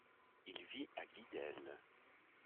Il vit à Guidel.